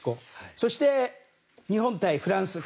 そして日本対フランス。